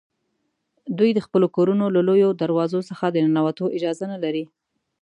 دوی د خپلو کورونو له لویو دروازو څخه د ننوتو اجازه نه لري.